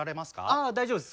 あ大丈夫です。